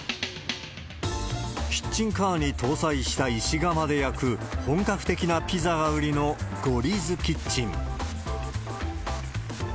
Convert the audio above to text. キッチンカーに搭載した石窯で焼く本格的なピザが売りのゴリーズキッチン。